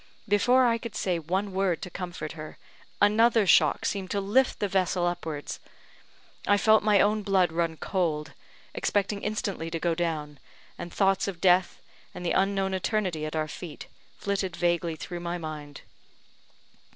Before I could say one word to comfort her, another shock seemed to lift the vessel upwards. I felt my own blood run cold, expecting instantly to go down; and thoughts of death, and the unknown eternity at our feet, flitted vaguely through my mind.